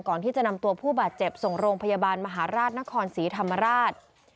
ก่อนที่จะนำตัวผู้บาดเจ็บส่งโรงพยาบาลมหาราชนครศรีธรรมราช